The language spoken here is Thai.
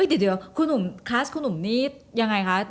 เดี๋ยวคุณหนุ่มคลาสคุณหนุ่มนี่ยังไงคะ